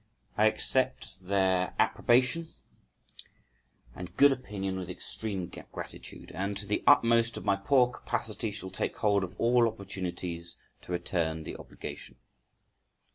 I accept their approbation and good opinion with extreme gratitude, and to the utmost of my poor capacity shall take hold of all opportunities to return the obligation.